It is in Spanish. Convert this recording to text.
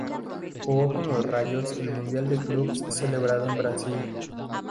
Jugó con los Rayos el Mundial de Clubes celebrado en Brasil.